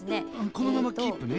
このままキープね。